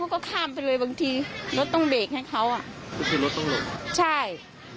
ก็คือรถต้องหลบเหรอคะใช่